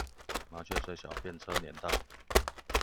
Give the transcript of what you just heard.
麻雀雖小，被車輾到